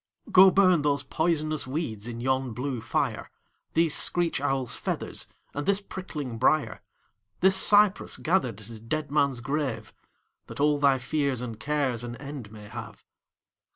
Go burn those poisonous weeds in yon blue fire, These screech owl's feathers and this prickling briar, This cypress gathered at a dead man's grave, That all thy fears and cares an end may have.